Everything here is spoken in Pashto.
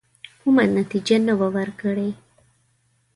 کومه نتیجه نه وه ورکړې.